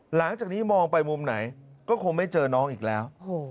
หลังจากนี้มองไปมุมไหนก็คงไม่เจอน้องอีกแล้ว